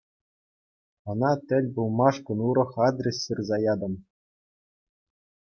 Ӑна тӗл пулмашкӑн урӑх адрес ҫырса ятӑм.